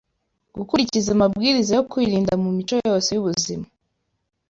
gukurikiza amabwiriza yo kwirinda mu mico yose y’ubuzima